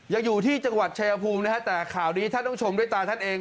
ยังอยู่ที่จังหวัดชายภูมินะฮะแต่ข่าวนี้ท่านต้องชมด้วยตาท่านเอง